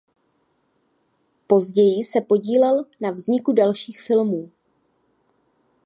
Později se podílel na vzniku dalších filmů.